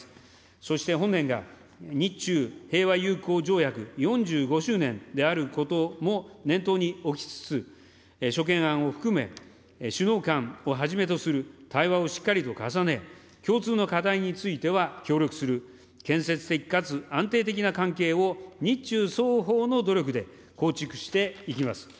そして本年が日中平和友好条約４５周年であることも念頭に置きつつ、諸懸案を含め、首脳間をはじめとする対話をしっかりと重ね、共通の課題については協力する、建設的かつ安定的な関係を日中双方の努力で構築していきます。